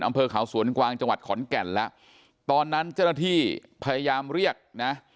อำเภอเขาสวนกวางจังหวัดขอนแก่นแล้วตอนนั้นเจ้าหน้าที่พยายามเรียกนะ